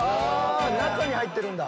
中に入ってるんだ。